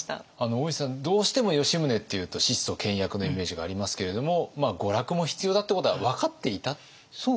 大石さんどうしても吉宗っていうと質素倹約のイメージがありますけれども娯楽も必要だってことは分かっていたんですか？